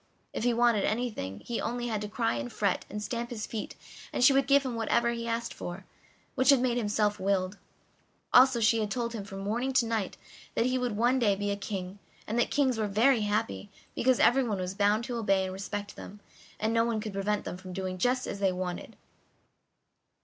If he wanted anything he only had to cry and fret and stamp his feet and she would give him whatever he asked for, which had made him self willed; also she had told him from morning to night that he would one day be a king, and that kings were very happy, because everyone was bound to obey and respect them, and no one could prevent them from doing just as they liked.